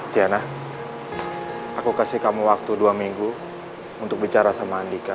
tiana aku kasih kamu waktu dua minggu untuk bicara sama andika